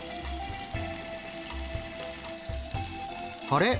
あれ？